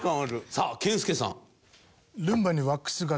さあ健介さん。